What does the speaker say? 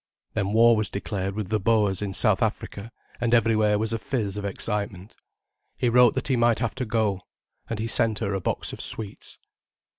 Then war was declared with the Boers in South Africa, and everywhere was a fizz of excitement. He wrote that he might have to go. And he sent her a box of sweets.